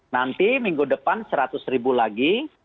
nanti minggu depan rp seratus lagi